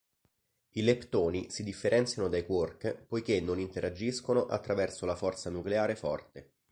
I leptoni si differenziano dai quark poiché non interagiscono attraverso la forza nucleare forte.